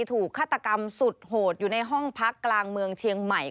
ถูกฆาตกรรมสุดโหดอยู่ในห้องพักกลางเมืองเชียงใหม่